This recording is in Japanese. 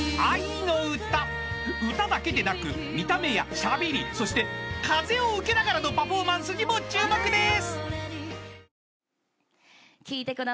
［歌だけでなく見た目やしゃべりそして風を受けながらのパフォーマンスにも注目です！］